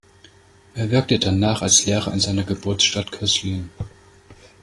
Er wirkte danach als Lehrer in seiner Geburtsstadt Köslin.